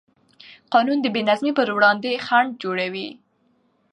قانون د بېنظمۍ پر وړاندې خنډ جوړوي.